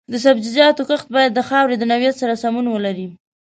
د سبزیجاتو کښت باید د خاورې د نوعیت سره سمون ولري.